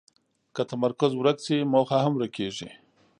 که تمرکز ورک شي، موخه هم ورکېږي.